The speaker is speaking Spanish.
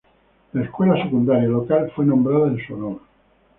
La escuela secundaria local fue nombrada en su honor.